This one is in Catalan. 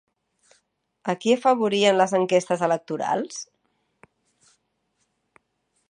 A qui afavorien les enquestes electorals?